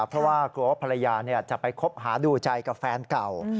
เพราะว่ากลัวว่าภรรยาจะไปคบหาดูใจกับแฟนเก่า